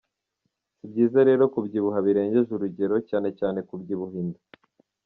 Si byiza rero kubyibuha birengeje urugero, cyane cyane kubyibuha inda.